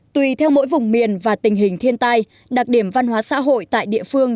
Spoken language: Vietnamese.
tùy theo mỗi vùng miền và tình hình thiên tai đặc điểm văn hóa xã hội tại địa phương